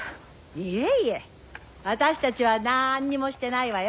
いえいえ私たちはなんにもしてないわよ。